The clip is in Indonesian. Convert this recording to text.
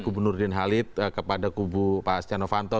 kubu nurdin halid kepada kubu pak setia novanto